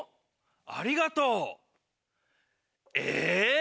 ありがとう。え！